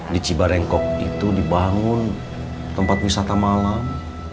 di cibarengkok itu dibangun tempat wisata malam